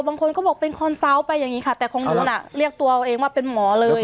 บางคนก็บอกเป็นคอนเซาต์ไปอย่างนี้ค่ะแต่ของหนูน่ะเรียกตัวเองว่าเป็นหมอเลย